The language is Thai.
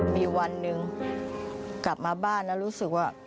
มีวันหนึ่งกลับมาบ้านแล้วรู้สึกว่า